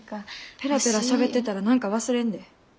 ペラペラしゃべってたら何か忘れんで。